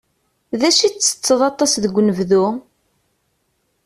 D acu i ttetteḍ aṭas deg unebdu?